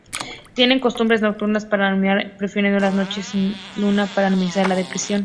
Tienen costumbres nocturnas para anidar, prefiriendo las noches sin luna para minimizar la depredación.